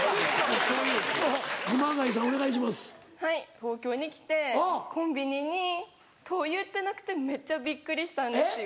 東京に来てコンビニに灯油売ってなくてめっちゃびっくりしたんですよ。